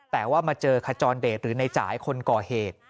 แต่ว่ามาเจอขจรเดชหรือในจ่ายคนก่อเหตุ